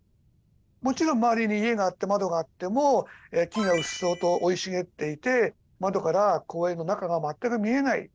もちろん周りに家があって窓があっても木がうっそうと生い茂っていて窓から公園の中が全く見えない。